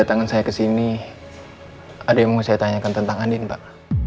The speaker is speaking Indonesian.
ada yang mau saya tanyakan tentang andin pak